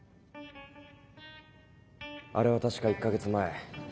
あれは確か１か月前。